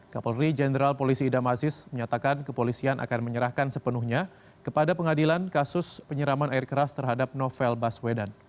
kapolri jenderal polisi idam aziz menyatakan kepolisian akan menyerahkan sepenuhnya kepada pengadilan kasus penyeraman air keras terhadap novel baswedan